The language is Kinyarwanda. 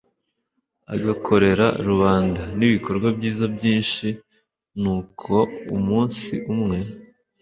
agakorera rubanda ibikorwa byiza byinshi nuko umunsi umwe